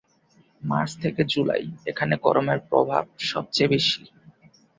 March থেকে July এখানে গরমের প্রভাব সবচেয়ে বেশি।